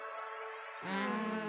うん。